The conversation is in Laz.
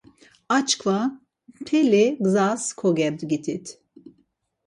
Açkva mteli gzas kogebdgitit.